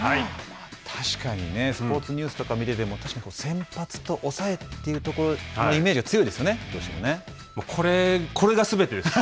確かにねスポーツニュースとかを見ていても確かに先発と抑えというところのイメージが強いですよねこれがすべてです。